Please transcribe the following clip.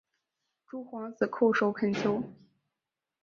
诸皇子叩首恳求。